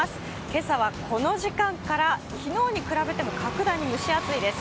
今朝はこの時間から昨日に比べても格段に蒸し暑いです。